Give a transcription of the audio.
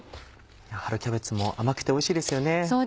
春キャベツも甘くておいしいですよね。